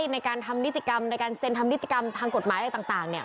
ในการทำนิติกรรมในการเซ็นทำนิติกรรมทางกฎหมายอะไรต่าง